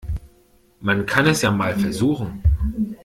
Man kann es ja mal versuchen.